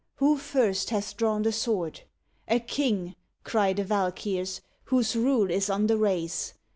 Who first hath drawn the sword? "A king!" cry the Valkyrs, "whose rule is on the race!